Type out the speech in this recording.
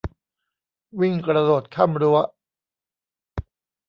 วิ่งกระโดดข้ามรั้ว